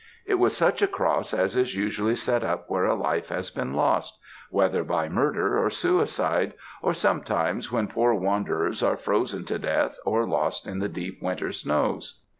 It was such a cross as is usually set up where a life has been lost, whether by murder or suicide; or sometimes when poor wanderers are frozen to death or lost in the deep winter snows.